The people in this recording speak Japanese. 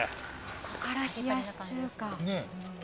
ここから冷やし中華。